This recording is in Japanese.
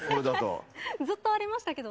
ずっとありましたけど。